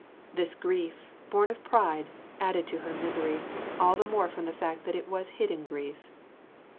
This grief, born of pride, added to her misery, all the more from the fact that it was hidden grief.